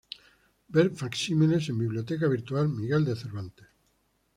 Ver facsímiles en: Biblioteca Virtual Miguel de Cervantes.